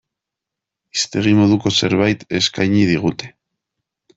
Hiztegi moduko zerbait eskaini digute.